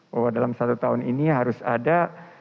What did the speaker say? bahwa dalam satu tahun ini harus ada